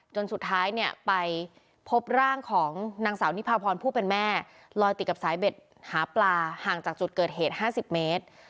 จนสุดท้ายเนี่ยไปพบร่างของนางสาวนิพาพรผู้เป็นแม่ลอยติดกับสายเบ็ดหาปลาห่างจากจุดเกิดเหตุ๕๐เมตร